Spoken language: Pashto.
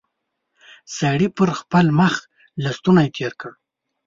سړي پر خپل مخ لستوڼی تېر کړ.